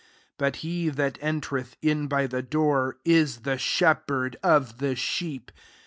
2 But he that entereth in by the door, is the shepherd of the sheep.